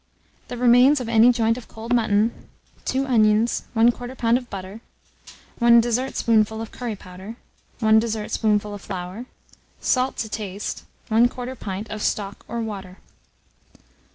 The remains of any joint of cold mutton, 2 onions, 1/4 lb. of butter, 1 dessertspoonful of curry powder, 1 dessertspoonful of flour, salt to taste, 1/4 pint of stock or water.